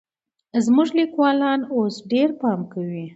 زموږ ليکوالان اوس ډېر پام کوي.